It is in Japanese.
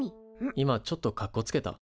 今ちょっとかっこつけた？